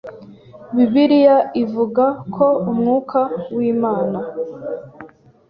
Bibiliya ivuga ko umwuka w’Imana